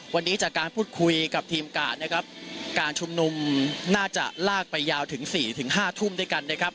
วันนี้จากการพูดคุยกับทีมการนะครับการชุมนุมน่าจะลากไปยาวถึงสี่ถึงห้าทุ่มด้วยกันนะครับ